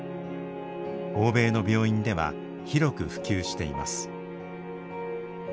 欧米の病院では広く普及しています。